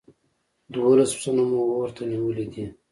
دوولس پسونه مو اور ته نيولي دي.